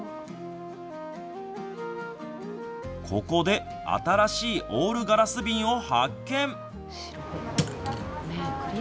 ここで新しいオールガラス瓶を発見。